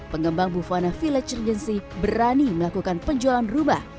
pengembang bufana village regency berani melakukan penjualan rumah